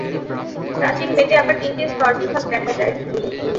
প্রাচীন-বেদে আবার তিনটি স্তরবিভাগ দেখা যায়।